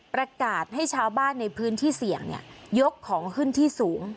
ประกาศให้ชาวบ้านในพื้นที่เสี่ยงยกของขึ้นที่สูง